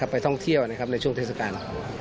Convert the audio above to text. ไปท่องเที่ยวในช่วงเทศกาล